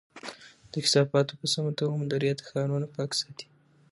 د کثافاتو په سمه توګه مدیریت ښارونه پاک ساتي.